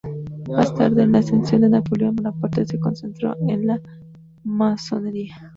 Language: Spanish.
Más tarde, con la ascensión de Napoleón Bonaparte, se concentró en la Masonería.